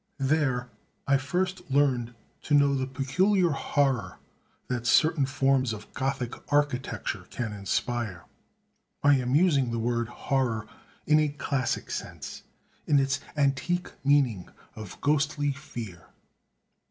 There I first learned to know the peculiar horror that certain forms of Gothic architecture can inspire.... I am using the word "horror" in a classic sense, in its antique meaning of ghostly fear.